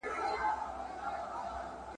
اوس په ښار كي دا نااهله حكمران دئ `